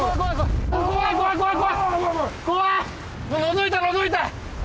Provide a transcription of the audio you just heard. のぞいたのぞいた！